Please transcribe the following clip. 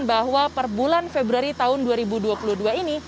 bahwa per bulan februari tahun dua ribu dua puluh dua ini